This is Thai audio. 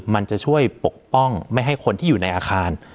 มันจะช่วยปกป้องไม่ให้คนที่อยู่ในอาคาร